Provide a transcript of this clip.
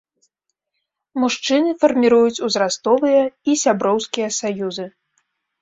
Мужчыны фарміруюць узрастовыя і сяброўскія саюзы.